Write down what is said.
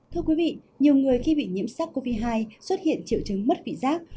thưa quý vị nhiều người khi bị nhiễm sắc covid hai xuất hiện triệu trứng mất vị giác